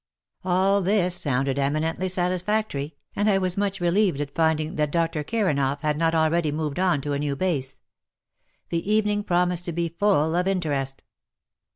All this sounded eminently satisfactory, and I was much relieved at finding that Dr. Kiranoff had not already moved on to a new base. The evening promised to be full of interest.